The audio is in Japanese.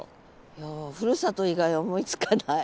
いやふるさと以外思いつかない。